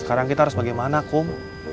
sekarang kita harus bagaimana kum